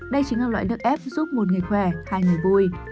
đây chính là loại nước ép giúp một người khỏe hai người bôi